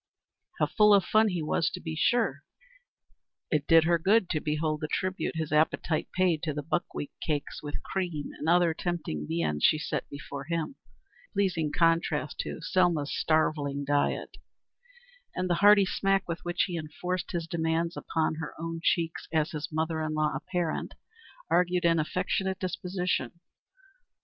How full of fun he was, to be sure! It did her good to behold the tribute his appetite paid to the buckwheat cakes with cream and other tempting viands she set before him a pleasing contrast to Selma's starveling diet and the hearty smack with which he enforced his demands upon her own cheeks as his mother in law apparent, argued an affectionate disposition.